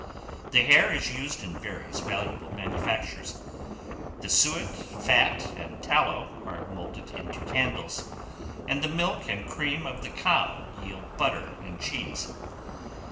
The hair is used in various valuable manufactures; the suet, fat, and tallow, are moulded into candles; and the milk and cream of the cow yield butter and cheese.